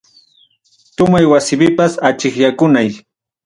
Tomay wasipipas achikyakunay.